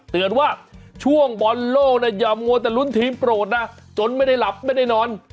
เตือนว่าช่วงบอลโลกเนี่ยอย่ามัวแต่ลุ้นทีมโปรดนะจนไม่ได้หลับไม่ได้นอน